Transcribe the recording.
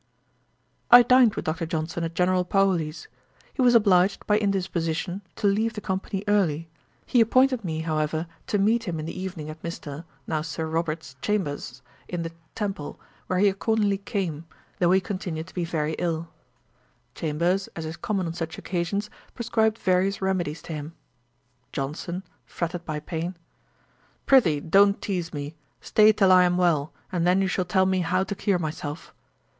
I dined with Dr. Johnson at General Paoli's. He was obliged, by indisposition, to leave the company early; he appointed me, however, to meet him in the evening at Mr. (now Sir Robert) Chambers's in the Temple, where he accordingly came, though he continued to be very ill. Chambers, as is common on such occasions, prescribed various remedies to him. JOHNSON. (fretted by pain,) 'Pr'ythee don't tease me. Stay till I am well, and then you shall tell me how to cure myself.'